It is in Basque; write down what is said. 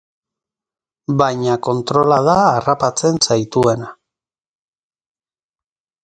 Baina kontrola da harrapatzen zaituena.